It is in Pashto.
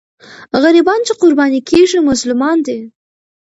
غریبان چې قرباني کېږي، مظلومان دي.